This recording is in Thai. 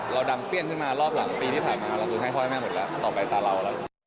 เราดำเปลี่ยนขึ้นมารอบหลังปีที่ผ่านมาแล้วคุณให้พ่อให้แม่หมดแล้วต่อไปตาเราแล้ว